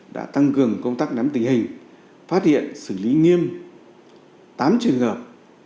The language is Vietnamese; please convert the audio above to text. đã tăng cường công tác nắm tình hình phát hiện xử lý nghiêm tám trường hợp